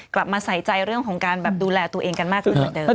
กลับมาใส่ใจเรื่องดูแลตัวเองกันมากขึ้นกันเดิม